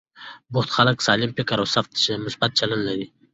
بوخت خلک سالم فکر او مثبت چلند لري.